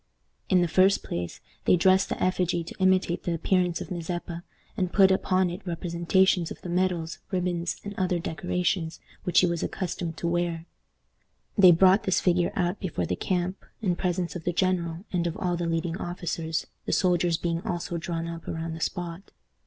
In the first place, they dressed the effigy to imitate the appearance of Mazeppa, and put upon it representations of the medals, ribbons, and other decorations which he was accustomed to wear. They brought this figure out before the camp, in presence of the general and of all the leading officers, the soldiers being also drawn up around the spot.